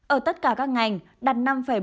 ở tất cả các ngành đạt năm bốn mươi sáu